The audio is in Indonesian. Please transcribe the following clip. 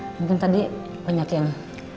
mungkin tadi banyak yang